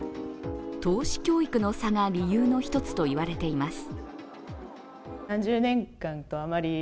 投資教育の差が理由の１つといわれています。